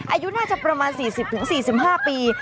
อายุน่าจะประมาณ๔๐๔๕ปี